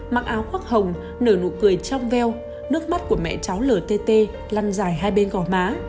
mặc áo khoác hồng nở nụ cười trong veo nước mắt của mẹ cháu lở tê tê lăn dài hai bên gỏ má